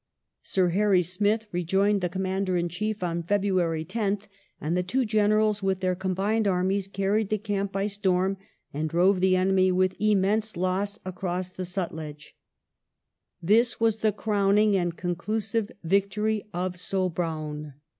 Sir Hairy Smith rejoined the Commander in Chief on February 10th, and the two Generals, with their combined armies, carried the camp by storm, and drove the enemy with immense loss across the Sutlej. This was the crowning and conclusive victory of Sobraon.